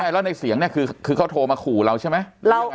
แล้วในเสียงเนี่ยคือเขาโทรมาขู่เราใช่ไหม